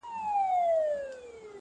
اسره مي خدای ته وه بیا تاته!.